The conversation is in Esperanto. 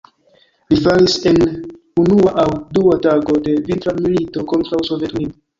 Li falis en unua aŭ dua tago de Vintra milito kontraŭ Sovetunio.